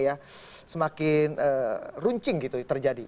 itu menjadi bahkan ada evaluasi nggak sih